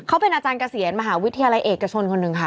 เขาเป็นอาจารย์เกษียณมหาวิทยาลัยเอกชนคนหนึ่งค่ะ